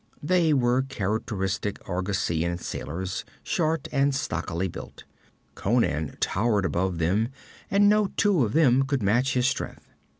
They were characteristic Argosean sailors, short and stockily built. Conan towered above them, and no two of them could match his strength.